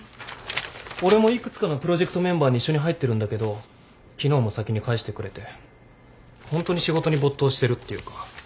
俺も幾つかのプロジェクトメンバーに一緒に入ってるんだけど昨日も先に帰してくれてホントに仕事に没頭してるっていうか。